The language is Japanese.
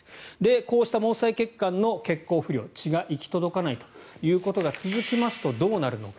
こうした毛細血管の血行不良血が行き届かないということが続きますとどうなるのか。